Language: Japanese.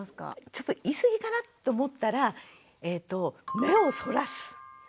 ちょっと言い過ぎかなと思ったら目をそらす。